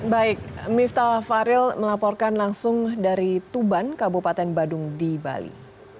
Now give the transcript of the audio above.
baik miftah faril melaporkan langsung dari tuban kabupaten badung di bali